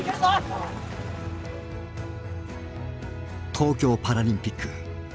東京パラリンピック